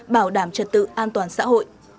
bảo đảm trật tự an toàn xã hội